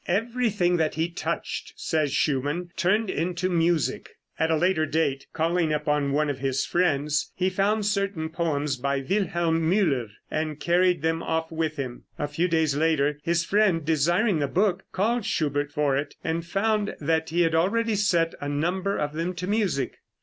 "Everything that he touched," says Schumann, "turned into music." At a later date, calling upon one of his friends, he found certain poems by Wilhelm Müller, and carried them off with him. A few days later, his friend desiring the book, called on Schubert for it, and found that he had already set a number of them to music.